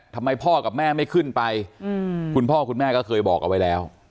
ทำไมพ่อกับแม่ไม่ขึ้นไปคุณพ่อคุณแม่ก็เคยบอกเอาไว้แล้ว